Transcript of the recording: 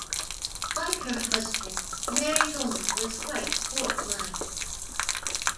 Like her husband, Mary Hulman was quite sports-minded.